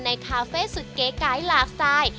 ในคาเฟ่สูตรเก๋กายหลากสาย